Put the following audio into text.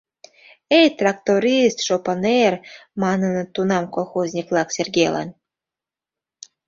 — Эй, тракторист — шопо нер! — маныныт тунам колхозник-влак Сергелан.